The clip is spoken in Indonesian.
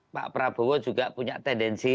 pak prabowo juga punya tendensi